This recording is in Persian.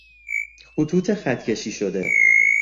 خطوط خط کشی شده